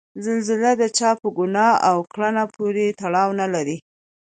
زلزله د چا په ګناه او کړنه پورې تړاو نلري.